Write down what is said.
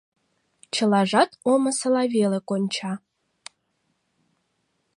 Чылажат омысыла веле конча.